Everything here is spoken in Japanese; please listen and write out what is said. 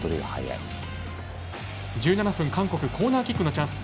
１７分、韓国コーナーキックのチャンス。